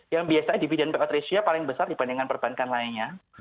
yang biasanya dividen back out ratio nya paling besar dibandingkan perbankan lainnya